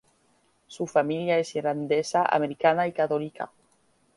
Su familia es irlandesa-americana y católica.